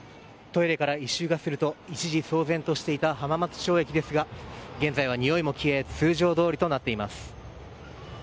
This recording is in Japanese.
トイレから異臭がすると一時騒然とした浜松町駅ですが現在は、においも消え通常どおりとなっています。